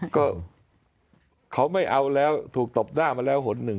ก็เขาไม่เอาแล้วถูกตบหน้ามาแล้วหนหนึ่ง